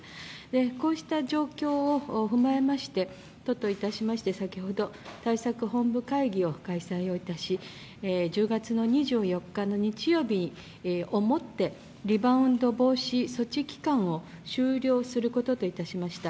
こうした状況を踏まえまして都といたしまして、先ほど対策本部会議を開催いたし、１０月２４日の日曜日をもってリバウンド防止措置期間を終了することといたしました。